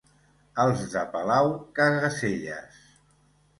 Els de Palau, caga-selles.